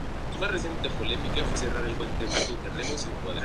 El papel fue escrito especialmente para Stacey.